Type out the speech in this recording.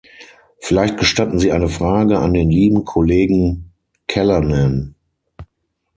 Vielleicht gestatten Sie eine Frage an den lieben Kollegen Callanan.